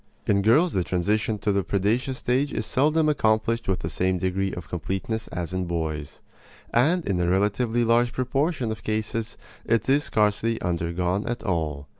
In girls the transition to the predaceous stage is seldom accomplished with the same degree of completeness as in boys; and in a relatively large proportion of cases it is scarcely undergone at all.